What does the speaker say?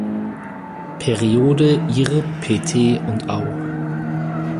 Periode, Ir, Pt und Au.